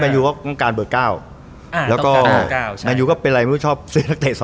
มันใส่เข้ามาอีกแล้วเรื่องให้กูเนี่ยเก่งแล้วกัน